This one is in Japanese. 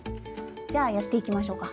じゃあやっていきましょうか。